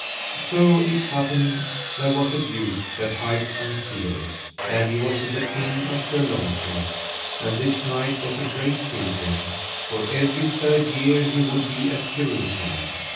So it happed there was a duke that hight Ansirus, and he was of the kin of Sir Launcelot. And this knight was a great pilgrim, for every third year he would be at Jerusalem.